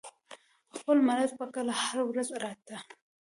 پۀ خپله مرضۍ به کله هره ورځ راتۀ